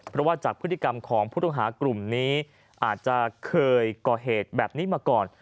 เพราะว่าจากพฤติกรรมของผู้ต้องหากลุ่มนี้อาจจะเคยก่อเหตุแบบนี้มาก่อน